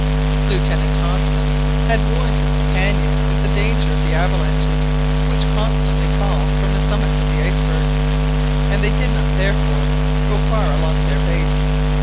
Lieutenant Hobson had warned his companions of the danger of the avalanches which constantly fall from the summits of the icebergs, and they did not therefore go far along their base.